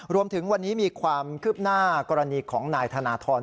รวมถึงวันนี้มีความคืบหน้ากรณีของนายธนทร